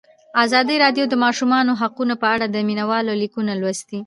ازادي راډیو د د ماشومانو حقونه په اړه د مینه والو لیکونه لوستي.